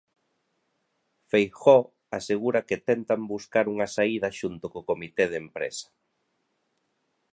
Feijóo asegura que tentan buscar unha saída xunto co comité de empresa.